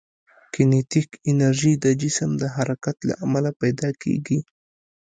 کینیتیک انرژي د جسم د حرکت له امله پیدا کېږي.